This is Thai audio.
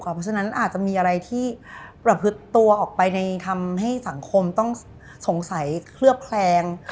เพราะฉะนั้นอาจจะมีอะไรที่ประพฤติตัวออกไปในทำให้สังคมต้องสงสัยเคลือบแคลง